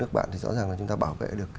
nước bạn thì rõ ràng là chúng ta bảo vệ được